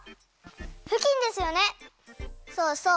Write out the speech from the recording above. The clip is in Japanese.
そうそう。